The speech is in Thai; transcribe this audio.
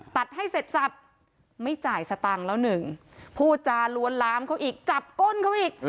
ตัดให้เสร็จสับไม่จ่ายสตังค์แล้วหนึ่งพูดจาล้วนลามเขาอีกจับก้นเขาอีก